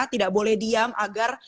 tidak boleh diam agar